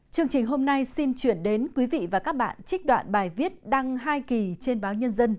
chương trình hôm nay xin chuyển đến quý vị và các bạn trích đoạn bài viết đăng hai kỳ trên báo nhân dân